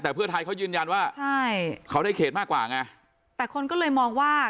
แต่เพื่อไทยเขายืนยันว่าใช่เขาได้เขตมากกว่าไงแต่คนก็เลยมองว่า